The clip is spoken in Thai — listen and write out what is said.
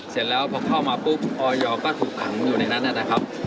เสร็จแล้วพอเข้ามาปุ๊บออยก็ถูกขังอยู่ในนั้นนะครับ